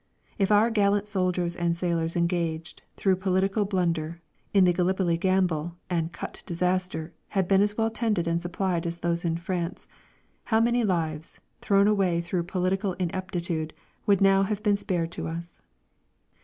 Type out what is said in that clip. If our gallant soldiers and sailors engaged, through political blunder, in the "Gallipoli gamble" and Kut disaster had been as well tended and supplied as those in France, how many lives, thrown away through political ineptitude, would now have been spared to us!